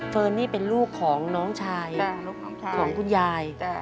นี่เป็นลูกของน้องชายของคุณยาย